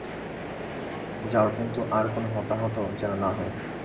যাও কিন্তু আর কোনো হতাহত যেন না হয়।